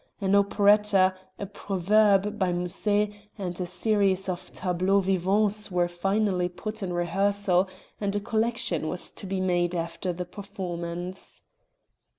An Operetta, a Proverbe by Musset, and a series of Tableaux Vivants were finally put in rehearsal and a collection was to be made after the performance.